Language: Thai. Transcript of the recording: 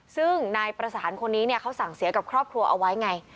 ซึ่งนายประสานคนนี้เขาสั่งเสียกับครอบครัวเอาไว้ไง